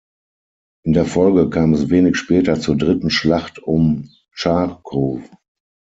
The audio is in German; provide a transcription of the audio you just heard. In der Folge kam es wenig später zur Dritten Schlacht um Charkow.